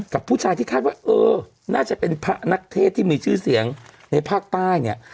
กับผู้ชายที่คาดว่าเออน่าจะเป็นพระนักเทศที่มีชื่อเสียงในภาคใต้เนี่ย